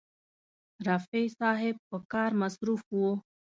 رفیع صاحب په کار مصروف و.